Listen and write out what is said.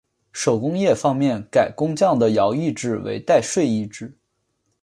手工业方面改工匠的徭役制为代税役制。